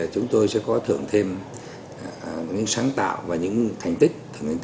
chúng tôi sẽ có thưởng thêm những sáng tạo và những thành tích